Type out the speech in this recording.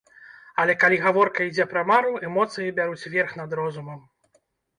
Але калі гаворка ідзе пра мару, эмоцыі бяруць верх над розумам.